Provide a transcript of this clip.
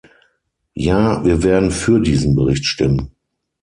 Ja, wir werden für diesen Bericht stimmen.